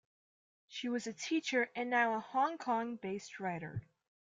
She was a teacher and now a Hong Kong-based writer.